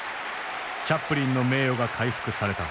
チャップリンの名誉が回復された。